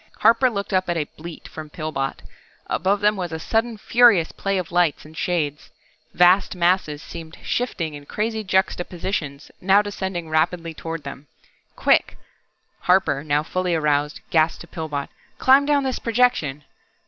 Harper looked up at a bleat from Pillbot. Above them was a sudden furious play of lights and shades. Vast masses seemed shifting in crazy juxtapositions, now descending rapidly toward them. "Quick," Harper, now fully aroused, gasped to Pillbot. "Climb down this projection!"